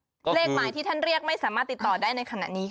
เรเรกหมายที่ท่านเรียกไม่สมาธิตต่อได้ในขณะนี้